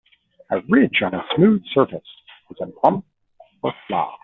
A ridge on a smooth surface is a bump or flaw.